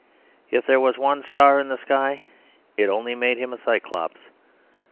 If there was one star in the sky it only made him a Cyclops.